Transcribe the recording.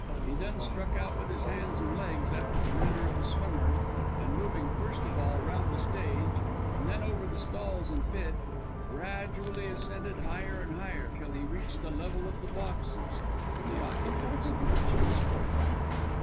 He then struck out with his hands and legs after the manner of a swimmer, and moving first of all round the stage, and then over the stalls and pit, gradually ascended higher and higher, till he reached the level of the boxes, to the occupants of which he spoke.